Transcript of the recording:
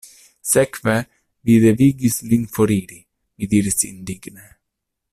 Sekve, vi devigis lin foriri, mi diris indigne.